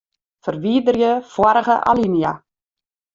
Ferwiderje foarige alinea.